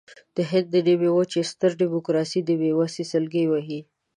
د هند د نیمې وچې ستره ډیموکراسي د بېوسۍ سلګۍ وهي.